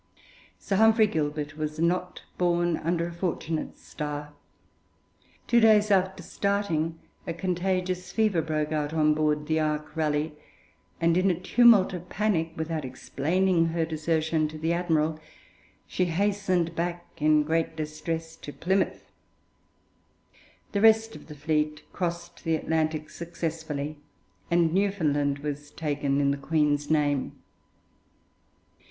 Sir Humphrey Gilbert was not born under a fortunate star. Two days after starting, a contagious fever broke out on board the 'Ark Raleigh,' and in a tumult of panic, without explaining her desertion to the admiral, she hastened back in great distress to Plymouth. The rest of the fleet crossed the Atlantic successfully, and Newfoundland was taken in the Queen's name.